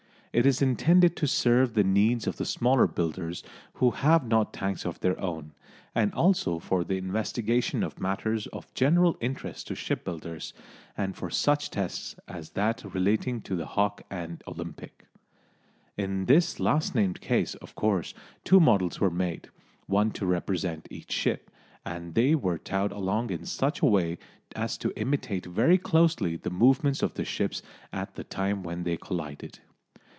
It is intended to serve the needs of the smaller builders who have not tanks of their own, and also for the investigation of matters of general interest to shipbuilders, and for such tests as that relating to the Hawke and Olympic. In this last named case, of course, two models were made, one to represent each ship, and they were towed along in such a way as to imitate very closely the movements of the ships at the time when they collided.